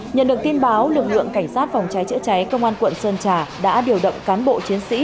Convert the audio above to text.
nhận được tin báo lực lượng cảnh sát phòng cháy chữa cháy công an quận sơn trà đã điều động cán bộ chiến sĩ